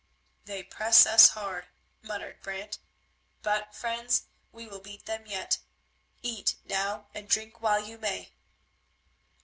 "They press us hard," muttered Brant, "but, friends, we will beat them yet. Eat now, and drink while you may."